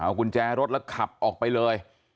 กุญแจรถแล้วขับออกไปเลย